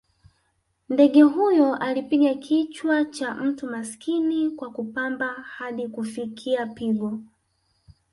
Ndege huyo alipiga kichwa cha mtu masikini kwa kupamba hadi kufikia pigo